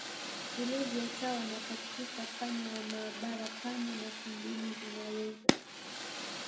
kulevya sawa na katrika panya wa maabara panya na tumbili zinaweza